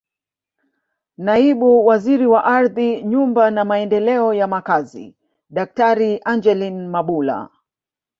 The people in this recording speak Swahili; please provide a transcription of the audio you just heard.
Naibu Waziri wa Ardhi Nyumba na Maendeleo ya Makazi Daktari Angeline Mabula